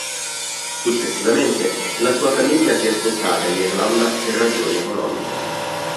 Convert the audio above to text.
Successivamente la sua famiglia si è spostata in Irlanda per ragioni economiche.